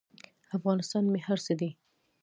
افغانستان مې هر څه دی.